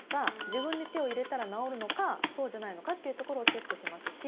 自分で手を入れたら直るのかそうじゃないのかっていうところをチェックしますし。